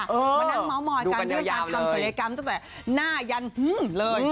วันนั้นเม้ามอดกันด้วยการทำสัยกรรมตั้งแต่หน้ายันหื้มเลย